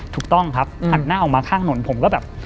ถูกต้องครับหันหน้าออกมาข้างถนนผมก็แบบ